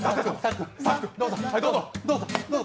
どうぞ。